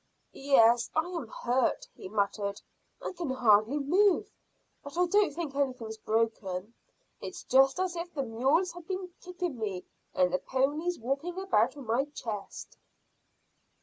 "Yes, I am hurt," he muttered. "I can hardly move, but I don't think anything's broken: it's just as if the mules had been kicking me and the ponies walking about on my chest."